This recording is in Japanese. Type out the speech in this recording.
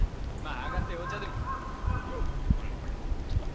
上がってお茶でも。